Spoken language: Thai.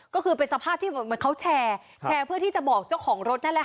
ก็คือเป็นสภาพที่เหมือนเขาแชร์แชร์เพื่อที่จะบอกเจ้าของรถนั่นแหละค่ะ